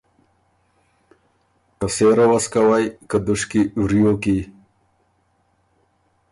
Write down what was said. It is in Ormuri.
که سېره وه سو کَوی که دُشکی وریو کی۔